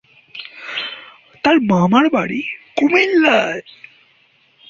তার মামার বাড়ি কুমিল্লায়।